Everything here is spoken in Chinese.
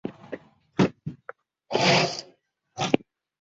狭义的曲则多指宋朝以来的南曲和北曲。